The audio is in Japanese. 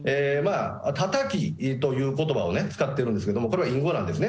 タタキということばを使っているんですけど、これは隠語なんですね。